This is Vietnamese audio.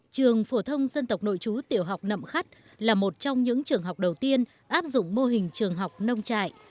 trường phổ thông dân tộc nội chú tiểu học nậm khắt là một trong những trường học đầu tiên áp dụng mô hình trường học nông trại